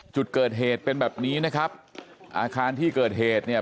จุดเกิดเหตุเป็นแบบนี้นะครับอาคารที่เกิดเหตุเนี่ย